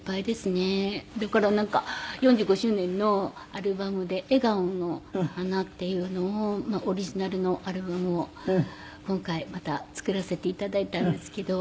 だからなんか４５周年のアルバムで『笑顔の花』っていうのをオリジナルのアルバムを今回また作らせて頂いたんですけど。